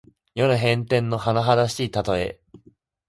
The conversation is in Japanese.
世の変転のはなはだしいたとえ。